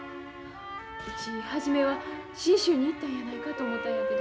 うち初めは信州に行ったんやないかと思ったんやけど。